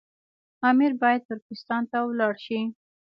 امیر باید ترکستان ته ولاړ شي.